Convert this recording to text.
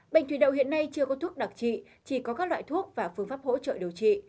bệnh thủy đậu hiện nay chưa có thuốc đặc trị chỉ có các loại thuốc và phương pháp hỗ trợ điều trị